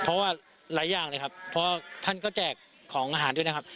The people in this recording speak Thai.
เพราะว่าหลายอย่างเลยครับเพราะท่านก็แจกของอาหารด้วยนะครับ